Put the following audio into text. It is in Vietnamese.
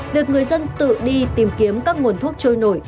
việc người dân tự đi tìm kiếm các nguồn thuốc trôi nổi